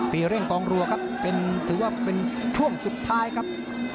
เร่งกองรัวครับถือว่าเป็นช่วงสุดท้ายครับ